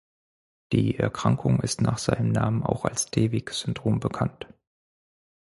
Die Erkrankung ist nach seinem Namen auch als "Devic-Syndrom" bekannt.